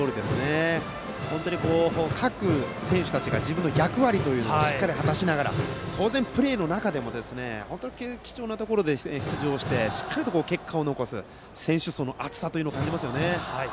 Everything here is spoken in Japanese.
本当に各選手たちが自分の役割というのをしっかり果たしながら当然、プレーの中でも本当に貴重なところで出場して結果を残す選手層の厚さを感じます。